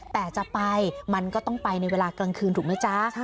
แต่จะไปมันก็ต้องไปในเวลากลางคืนถูกไหมจ๊ะ